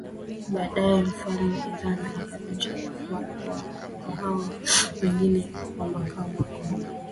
Baadaye mfalme Ezana akabatizwa akifuatwa na watu wengi wa makao makuu